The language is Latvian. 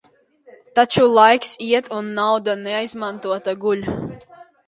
Taču laiks iet, un nauda neizmantota guļ.